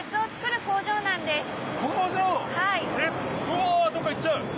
わあどっか行っちゃう！